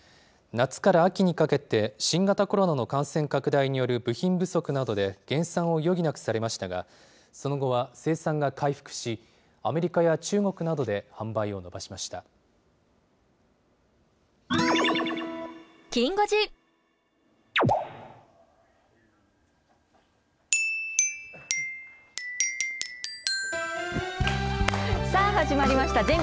夏から秋にかけて、新型コロナの感染拡大による部品不足などで減産を余儀なくされましたが、その後は生産が回復し、アメリカや中国などで販売を伸ばしました。